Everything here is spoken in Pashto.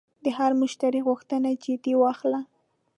د هر مشتری غوښتنه جدي واخله.